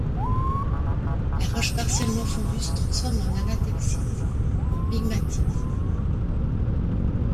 La roche partiellement fondue se transforme en anatexite ou en migmatite.